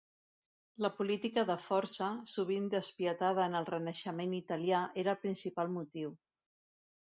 La política de força, sovint despietada en el Renaixement italià, era el principal motiu.